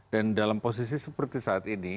dan dalam posisi seperti saat ini